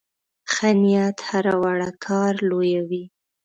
ښه نیت هره وړه کار لویوي.